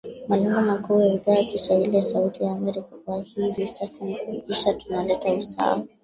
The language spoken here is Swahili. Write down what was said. Malengo makuu ya Idhaa ya kiswahili ya Sauti ya Amerika kwa hivi sasa ni kuhakikisha tuna leta usawa